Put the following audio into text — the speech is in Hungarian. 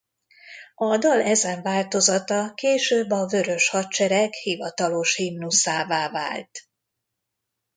A dal ezen változata később a Vörös Hadsereg hivatalos himnuszává vált.